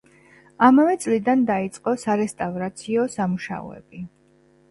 ამავე წლიდან დაიწყო სარესტავრაციო სამუშაოები.